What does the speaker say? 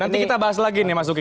nanti kita bahas lagi nih mas uki